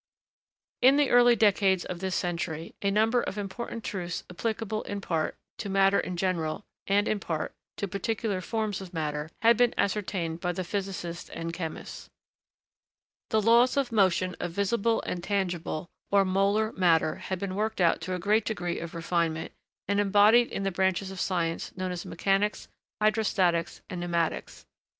] In the early decades of this century, a number of important truths applicable, in part, to matter in general, and, in part, to particular forms of matter, had been ascertained by the physicists and chemists. The laws of motion of visible and tangible, or molar, matter had been worked out to a great degree of refinement and embodied in the branches of science known as Mechanics, Hydrostatics, and Pneumatics.